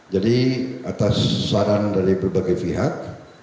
jadi atas saran dari berbagai pihak